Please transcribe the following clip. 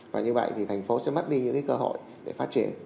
và như vậy thì thành phố sẽ mất đi những cơ hội để phát triển